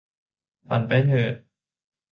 ฝันไปเถิด !